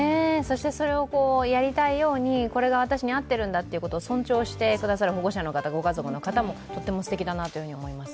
それをやりたいように、これが私に合っているんだということを尊重してくださる保護者の方、ご家族の方もとってもすてきだと思います。